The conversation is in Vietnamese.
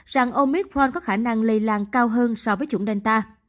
rằng omicron có khả năng lây lan cao hơn so với chủng delta